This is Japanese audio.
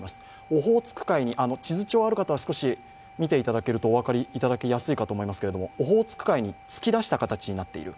オホーツク海に地図帳がある方は見ていただくと分かりやすいかと思いますけどオホーツク海に突き出した形になっている。